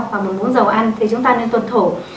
khoảng một muỗng dầu ăn thì chúng ta nên tuân thủ